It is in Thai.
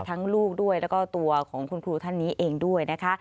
ลูกด้วยแล้วก็ตัวของคุณครูท่านนี้เองด้วยนะคะ